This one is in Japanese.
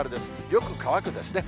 よく乾くですね。